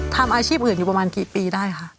ทำอาชีพอื่นอยู่ประมาณกี่ปีได้คะ